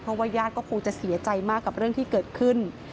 เพราะว่าญาติก็คงจะเสียใจมากกับเรื่องที่เกิดขึ้น